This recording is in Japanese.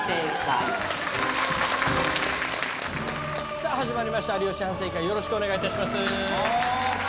さぁ始まりました『有吉反省会』よろしくお願いいたします。